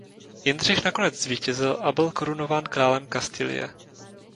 Jindřich nakonec zvítězil a byl korunován králem Kastilie.